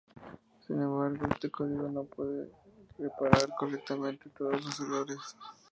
Sin embargo, este código no puede reparar correctamente todos los errores.